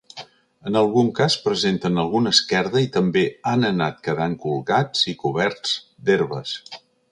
En algun cas, presenten alguna esquerda i també han anat quedant colgats i coberts d'herbes.